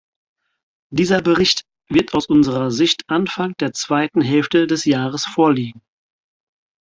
Dieser Bericht wird aus unserer Sicht Anfang der zweiten Hälfte des Jahres vorliegen.